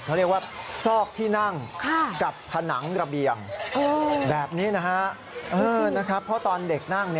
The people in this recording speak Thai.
เขาเรียกว่าซอกที่นั่งกับผนังระเบียงแบบนี้นะฮะเพราะตอนเด็กนั่ง